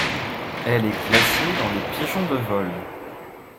Elle est classée dans les pigeons de vol.